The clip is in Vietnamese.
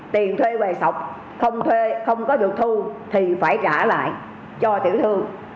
tiền thuê về sọc không thuê không có được thu thì phải trả lại cho tiểu thương